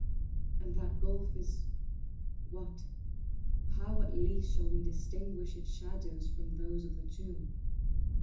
And that gulf is—what? How at least shall we distinguish its shadows from those of the tomb?